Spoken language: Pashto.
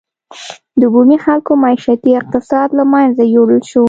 د بومي خلکو معیشتي اقتصاد له منځه یووړل شو.